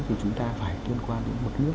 thì chúng ta phải liên quan đến bậc nước